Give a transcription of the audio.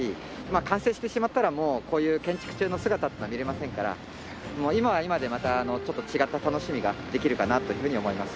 完成してしまったらもうこういう建築中の姿っていうのは見られませんから今は今でまたちょっと違った楽しみができるかなというふうに思います。